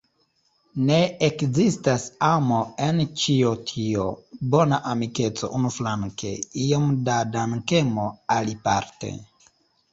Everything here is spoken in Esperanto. Ne ekzistas amo en ĉio tio: bona amikeco unuflanke, iom da dankemo aliparte.